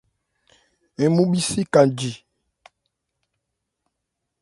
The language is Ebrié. Ń mu bhísi ka ji.